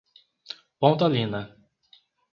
Pontalina